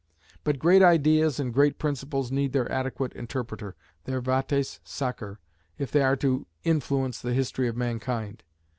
But great ideas and great principles need their adequate interpreter, their vates sacer, if they are to influence the history of mankind.